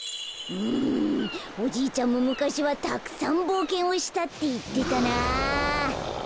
うんおじいちゃんもむかしはたくさんぼうけんをしたっていってたなあ。